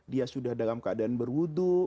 dia sudah dalam keadaan berwudhu